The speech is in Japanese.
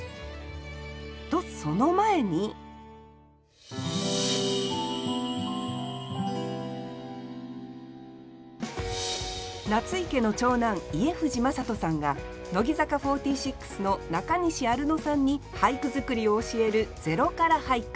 とその前に夏井家の長男家藤正人さんが乃木坂４６の中西アルノさんに俳句作りを教える「０から俳句」。